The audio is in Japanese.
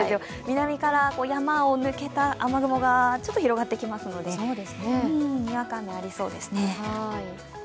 南から山を抜けた雨雲がちょっと広がってきますのでにわか雨、ありそうですね。